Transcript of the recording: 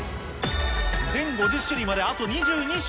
全５０種類まであと２２品。